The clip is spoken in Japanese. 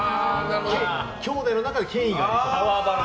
きょうだいの中で権威がありそう。